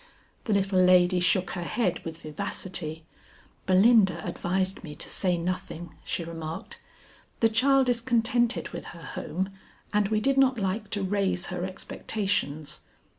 The little lady shook her head with vivacity. "Belinda advised me to say nothing," she remarked. "The child is contented with her home and we did not like to raise her expectations.